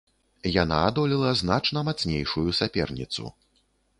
Яна адолела значна мацнейшую саперніцу.